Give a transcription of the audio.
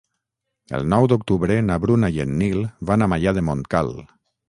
El nou d'octubre na Bruna i en Nil van a Maià de Montcal.